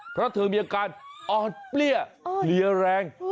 เพราะเธอมีอาการอ่อนเปรี้ยเพลียแรง